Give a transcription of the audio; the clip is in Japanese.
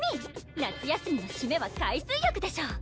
夏休みのしめは海水浴でしょ！